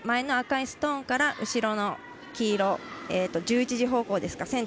前の赤いストーンから後ろの黄色、１１時方向ですか